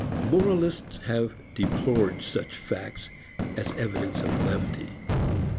Moralists have deplored such facts as evidence of levity.